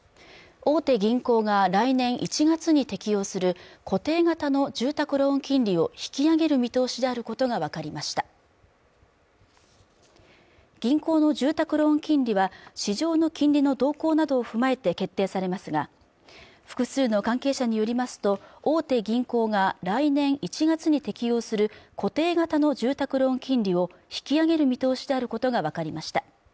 大手銀行が来年１月に適用する固定型の住宅ローン金利を引き上げる見通しであることが分かりました銀行の住宅ローン金利は市場の金利の動向などを踏まえて決定されますが複数の関係者によりますと大手銀行が来年１月に適合する固定型の住宅ローン金利を引き上げる見通しであることが分かりました